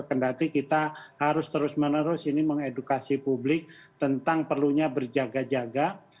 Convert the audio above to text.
kendati kita harus terus menerus ini mengedukasi publik tentang perlunya berjaga jaga